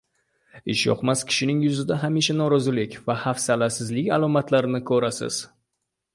ishyoqmas kishining yuzida hamisha norozilik va hafsalasizlik alomatlarini ko‘rasiz.